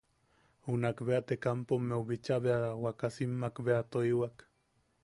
Junak bea te kampommeu bicha bea wakasimmak bea toiwak.